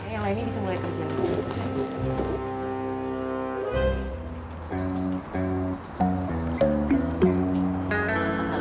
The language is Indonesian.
yang lainnya bisa mulai kerja